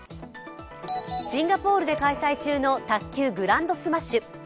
シンガポールで開催中の卓球グランドスマッシュ。